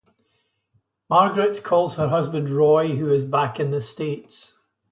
Margaret calls her husband Roy, who is back in the states.